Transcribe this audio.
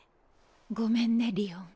ごめんねりおん。